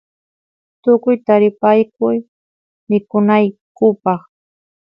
tukuy taripayku mikunaykupaq